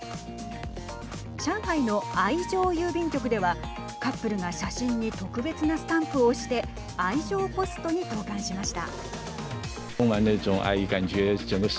上海の愛情郵便局ではカップルが写真に特別なスタンプを押して愛情ポストに投かんしました。